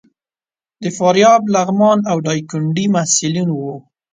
د فاریاب، لغمان او ډایکنډي محصلین وو.